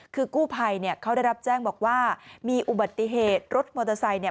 คือกู้ภัยเนี่ยเขาได้รับแจ้งบอกว่ามีอุบัติเหตุรถมอเตอร์ไซค์เนี่ย